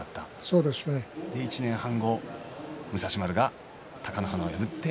そして１年半後、武蔵丸が貴乃花を破って。